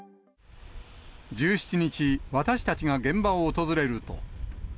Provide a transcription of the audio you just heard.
１７日、私たちが現場を訪れると。